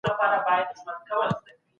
استازو به سیاسي ستونزي حل کولې.